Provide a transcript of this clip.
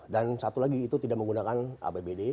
dan satu lagi itu tidak menggunakan abbd